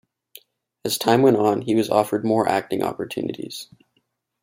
As time went on, he was offered more acting opportunities.